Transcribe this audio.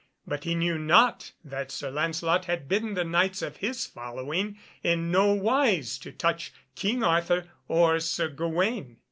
But he knew not that Sir Lancelot had bidden the Knights of his following in no wise to touch King Arthur or Sir Gawaine.